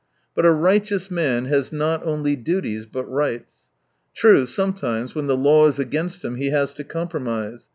But a righteous man has not only duties but rights. True, sometimes, when the law is against him, he has to compromise.